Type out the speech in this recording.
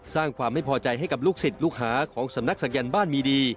สร้างความไม่พอใจให้กับลูกศิษย์ลูกหาของสำนักศักยันต์บ้านมีดี